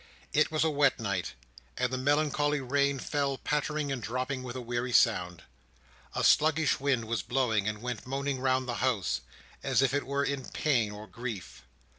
It was a wet night; and the melancholy rain fell pattering and dropping with a weary sound. A sluggish wind was blowing, and went moaning round the house, as if it were in pain or grief.